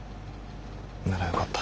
ならよかった。